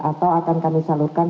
atau akan kami salurkan